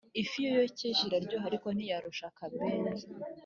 Ifi iyo yokeje iraryoha ariko ntiyarusha akabenzi